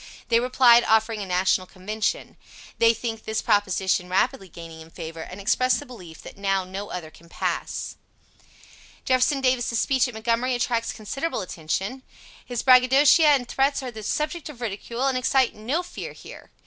They replied, offering a National Convention. They think this proposition rapidly gaining in favor, and express the belief that now no other can pass. What is Thought of Jefferson Davis' Inaugural Jeff. Davis' speech at Montgomery attracts considerable attention. His bragadocia and threats are the subject of ridicule, and excite no fear here.